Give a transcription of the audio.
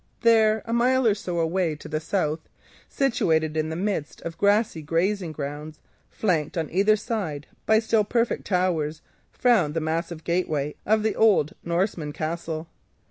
There, a mile or so away to the south, situated in the midst of grassy grazing grounds, and flanked on either side by still perfect towers, frowned the massive gateway of the old Norman castle.